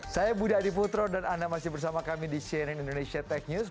saya budi adiputro dan anda masih bersama kami di cnn indonesia tech news